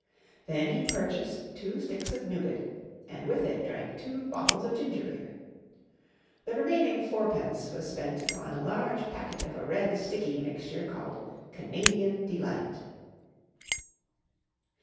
Then he purchased two sticks of nougat and with it drank two bottles of ginger beer. The remaining 4_d._ was spent upon a large packet of a red sticky mixture called Canadian Delight.